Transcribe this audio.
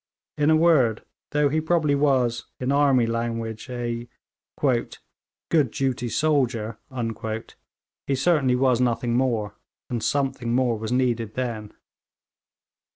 In a word, though he probably was, in army language, a 'good duty soldier,' he certainly was nothing more. And something more was needed then.